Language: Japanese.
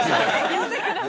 ◆読んでください。